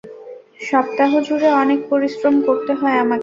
সপ্তাহজুরে অনেক পরিশ্রম করতে হয় আমাকে।